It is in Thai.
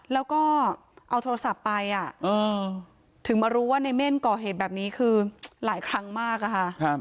แล้วก็เอาโทรศัพท์ไปถึงมารู้ว่าในเม่นก่อเหตุแบบนี้คือหลายครั้งมากอะค่ะ